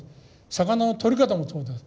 魚のとり方もそうです。